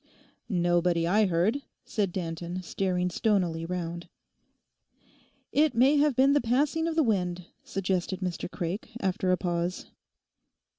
'Nobody I heard,' said Danton, staring stonily round. 'It may have been the passing of the wind,' suggested Mr Craik, after a pause.